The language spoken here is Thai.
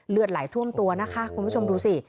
เลือดไหลท่วมตัวนะคะคุณผู้ชมดูสิ